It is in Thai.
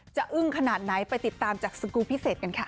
อึ้งขนาดไหนไปติดตามจากสกูลพิเศษกันค่ะ